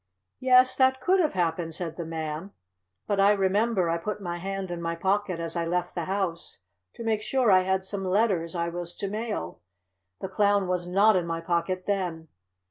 "Yes, that could have happened," said the Man. "But I remember I put my hand in my pocket as I left the house, to make sure I had some letters I was to mail. The Clown was not in my pocket then.